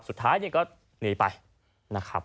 สุดท้ายก็หนีไปนะครับ